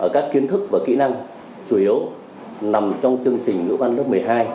các kiến thức và kỹ năng chủ yếu nằm trong chương trình ngữ văn lớp một mươi hai